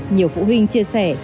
nhiều phụ huynh chia sẻ